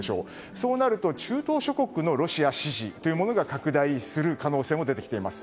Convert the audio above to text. そうなると中東諸国のロシア支持というのが拡大する可能性も出てきています。